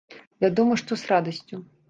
Вядома, што з радасцю.